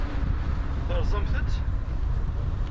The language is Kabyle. Teṛṛẓamt-tt?